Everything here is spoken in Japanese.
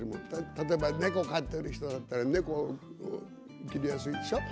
例えば猫、飼っている人だったら猫を切りやすいでしょう？